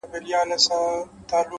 حقیقت له وخت سره لا روښانیږي؛